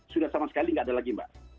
sudah sama sekali tidak ada lagi mbak